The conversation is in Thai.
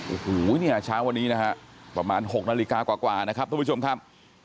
โอ้โหเนี่ยเช้าวันนี้นะฮะประมาณ๖นาฬิกากว่านะครับทุกผู้ชมครับ